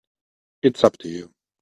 It's up to you.